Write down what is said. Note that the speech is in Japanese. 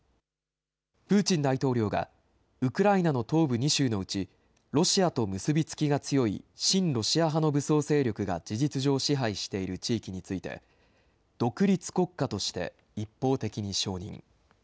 プーチン大統領がウクライナの東部２州のうち、ロシアと結び付きが強い親ロシア派の武装勢力が事実上支配している地域について、独立国家として一方的に承認。